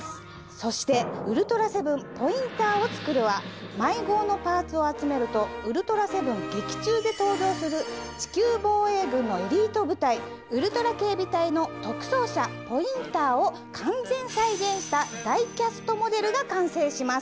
そして「ウルトラセブンポインターをつくる」は毎号のパーツを集めると『ウルトラセブン』劇中で登場する地球防衛軍のエリート部隊ウルトラ警備隊の特捜車ポインターを完全再現したダイキャストモデルが完成します。